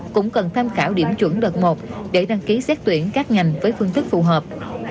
cũng cần tham khảo điểm chuẩn đợt một để đăng ký xét tuyển các ngành với phương thức phù hợp